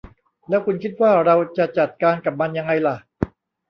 แล้วคุณคิดว่าเราจะจัดการกับมันยังไงล่ะ